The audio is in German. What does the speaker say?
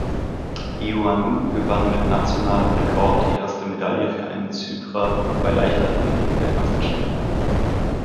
Ioannou gewann mit nationalem Rekord die erste Medaille für einen Zyprer bei Leichtathletik-Weltmeisterschaften.